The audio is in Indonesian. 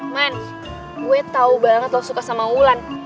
man gue tau banget loh suka sama wulan